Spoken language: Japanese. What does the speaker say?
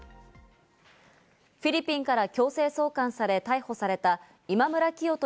フィリピンから強制送還され逮捕された、今村磨人